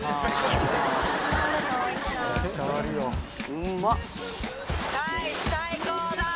うまっ！